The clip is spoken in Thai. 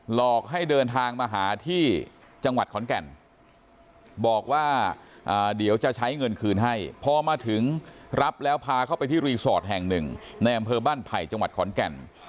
หลอกให้เดินทางมาหาที่จังหวัดขอนแก่นบอกว่าเดี๋ยวจะใช้เงินคืนให้พอมาถึงรับแล้วพาเข้าไปที่รีสอร์ทแห่งหนึ่งในอำเภอบ้านไผ่จังหวัดขอนแก่น